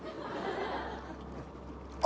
あ。